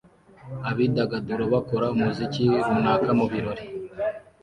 Abidagadura bakora umuziki runaka mubirori